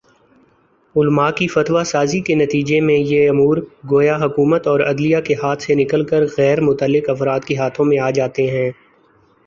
علما کی فتویٰ سازی کے نتیجے میںیہ امور گویا حکومت اورعدلیہ کے ہاتھ سے نکل کر غیر متعلق افراد کے ہاتھوں میں آجاتے ہیں